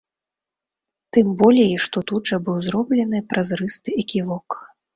Тым болей што тут жа быў зроблены празрысты эківок.